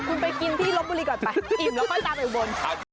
คุณไปกินที่ลบบุรีก่อนไปอิ่มแล้วค่อยตามไปอุบล